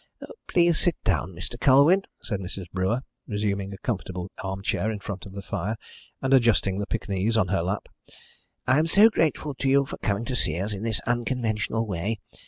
"Please sit down, Mr. Colwyn," said Mrs. Brewer, resuming a comfortable arm chair in front of the fire, and adjusting the Pekingese on her lap. "I am so grateful to you for coming to see us in this unconventional way.